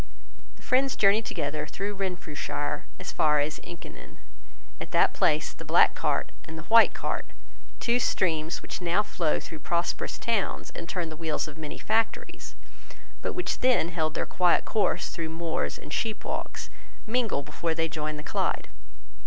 The friends journeyed together through Renfrewshire as far as Inchinnan. At that place the Black Cart and the White Cart, two streams which now flow through prosperous towns, and turn the wheels of many factories, but which then held their quiet course through moors and sheepwalks, mingle before they join the Clyde.